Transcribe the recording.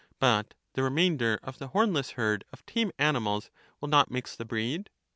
But the remainder of the hornless herd of tame animals will not mix the breed. y.